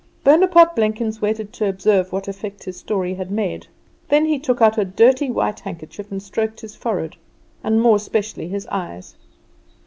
Bonaparte Blenkins waited to observe what effect his story had made. Then he took out a dirty white handkerchief and stroked his forehead, and more especially his eyes.